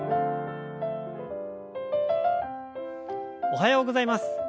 おはようございます。